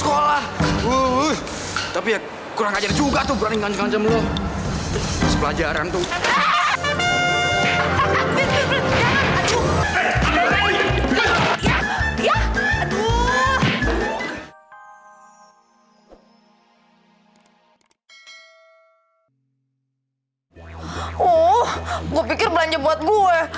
oh gue pikir belanja buat gue